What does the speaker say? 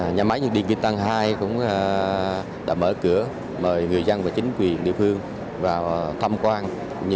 nhà máy nhiệt điện vĩnh tân hai cũng đã mở cửa mời người dân và chính quyền địa phương vào thăm quan